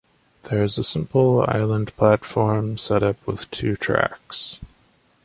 There is a simple island platform setup with two tracks.